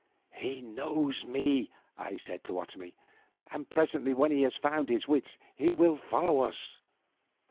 "He knows me," I said to Otomie, "and presently when he has found his wits, he will follow us."